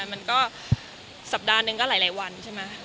มันก็สัปดาห์หนึ่งก็หลายวันใช่ไหม